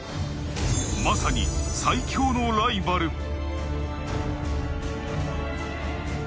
まさに最強のライバル。